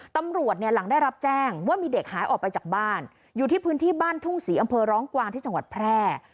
ตำรวจเนี่ยหลังได้รับแจ้งว่ามีเด็กหายออกไปจากบ้านอยู่ที่พื้นที่บ้านทุ่งศรีอำเภอร้องกวางที่จังหวัดแพร่